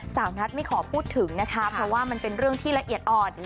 สาวนัทไม่ขอพูดถึงนะคะเพราะว่ามันเป็นเรื่องที่ละเอียดอ่อน